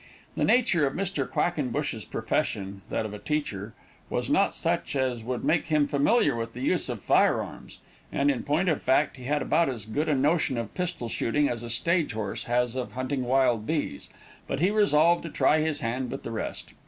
The nature of Mr. Quackenbush's profession, that of a teacher, was not such as would make him familiar with the use of fire arms, and, in point of fact, he had about as good a notion of pistol shooting as a stage horse has of hunting wild bees; but he resolved to try his hand with the rest.